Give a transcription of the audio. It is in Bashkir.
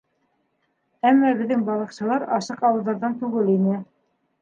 Әммә беҙҙең балыҡсылар асыҡ ауыҙҙарҙан түгел ине.